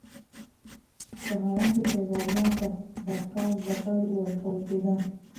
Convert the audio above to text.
په حرم کې شهزادګانو ته د ښکار زده کړه ورکول کېده.